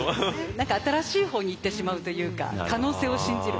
何か新しい方にいってしまうというか可能性を信じる。